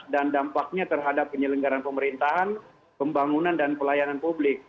dan dampaknya terhadap penyelenggaran pemerintahan pembangunan dan pelayanan publik